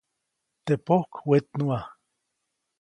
Teʼ pojk wetnuʼa.